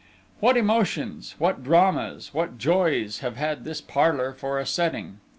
What emotions, what dramas, what joys, have had this parlour for a setting!